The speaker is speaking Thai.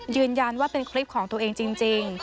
ว่าเป็นคลิปของตัวเองจริง